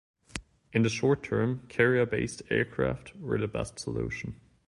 In the short term, carrier-based aircraft were the best solution.